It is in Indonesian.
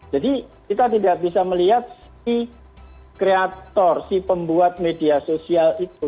jadi kita tidak bisa melihat si kreator si pembuat media sosial itu